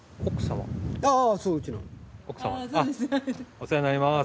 お世話になります。